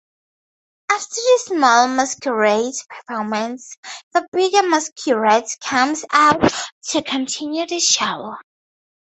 After the smaller masquerades performance the bigger masquerades comes out to continue the show.